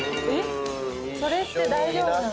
それって大丈夫なのかな？